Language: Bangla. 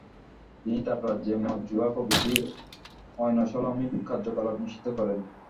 তিনি তার রাজ্যে মদ, জুয়া প্রভৃতি অনৈসলামিক কার্যকলাপ নিষিদ্ধ করেন।